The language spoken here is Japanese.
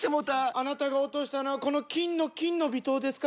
あなたが落としたのはこの金の「金の微糖」ですか？